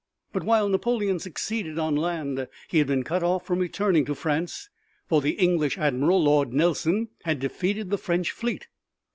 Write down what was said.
But while Napoleon succeeded on land he had been cut off from returning to France, for the English admiral, Lord Nelson, had defeated the French fleet.